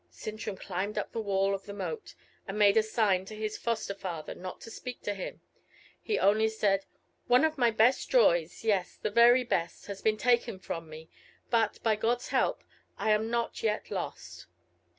Sintram climbed up the wall of the moat, and made a sign to his foster father not to speak to him: he only said, "One of my best joys, yes, the very best, has been taken from me; but, by God's help, I am not yet lost."